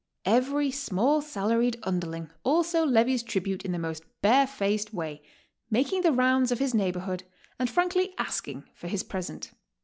Every small salaried underling also levies tribute in the most barefaced way, making the rounds of his neighborhood and frankly asking for his present.